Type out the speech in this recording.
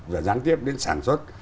và gián tiếp đến sản xuất